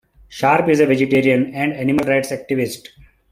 Sharp is a vegetarian and animal rights activist.